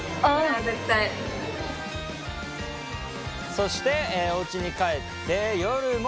そしておうちに帰って夜も。